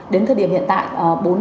đến thời điểm hiện tại